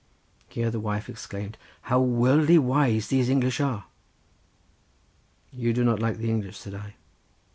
Here the wife exclaimed, "How worldly wise these English are!" "You do not like the English," said I.